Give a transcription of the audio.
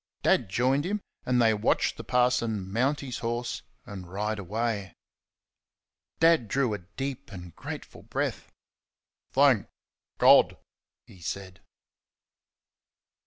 Dad joined him, and they watched the parson mount his horse and ride away. Dad drew a deep and grateful breath. "Thank God!" he said.